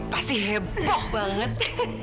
pasti heboh banget